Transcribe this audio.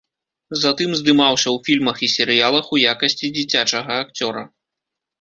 Затым здымаўся ў фільмах і серыялах, у якасці дзіцячага акцёра.